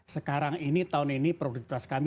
sekarang ini tahun ini produktivitas kami